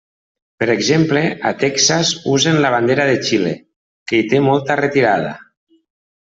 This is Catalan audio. Per exemple, a Texas usen la bandera de Xile, que hi té molta retirada.